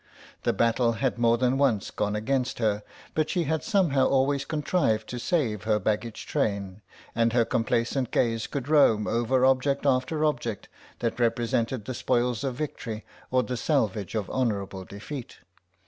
The battle had more than once gone against her, but she had somehow always contrived to save her baggage train, and her complacent gaze could roam over object after object that represented the spoils of victory or the salvage of honourable defeat.